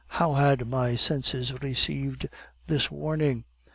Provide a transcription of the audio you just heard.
How had my senses received this warning?